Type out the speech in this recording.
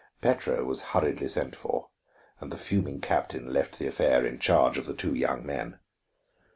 Petro was hurriedly sent for, and the fuming captain left the affair in charge of the two young men.